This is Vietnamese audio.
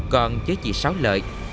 còn với chị sáu lợi